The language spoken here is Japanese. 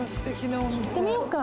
行ってみようか？